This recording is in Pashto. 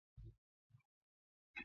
سګرټ دې پر ما.